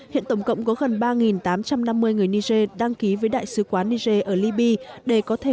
hiện tổng cộng có gần ba tám trăm năm mươi người niger đăng ký với đại sứ quán niger ở libya để có thể